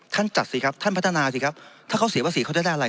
จัดสิครับท่านพัฒนาสิครับถ้าเขาเสียภาษีเขาจะได้อะไร